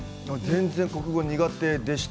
全然、国語苦手でした。